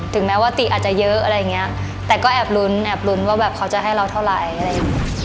แม้ว่าติอาจจะเยอะอะไรอย่างเงี้ยแต่ก็แอบลุ้นแอบลุ้นว่าแบบเขาจะให้เราเท่าไหร่อะไรอย่างเงี้ย